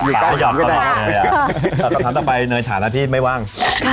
แต่จะทำต่อไปในฐานะที่ไม่ว่าง